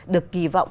được kỳ vọng